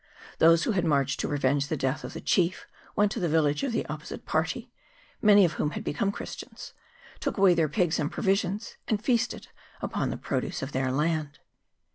Those who had marched to revenge the death of the chief went to the village of the opposite party, many of whom had become Christians, took away their pigs and provisions, and feasted upon the pro duce of their land.